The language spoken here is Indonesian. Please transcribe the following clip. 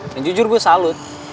dan jujur gue salut